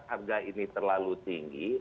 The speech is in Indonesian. harga ini terlalu tinggi